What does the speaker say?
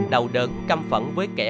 đầu đợn căm phẫn với kẻ